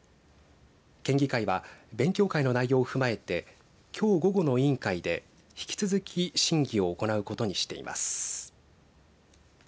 県議会は勉強会の内容を踏まえてきょう午後の委員会で引き続き審議を行うことにしています。